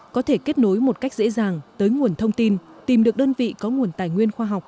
có thể kết nối một cách dễ dàng tới nguồn thông tin tìm được đơn vị có nguồn tài nguyên khoa học